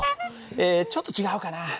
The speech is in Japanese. えちょっと違うかな。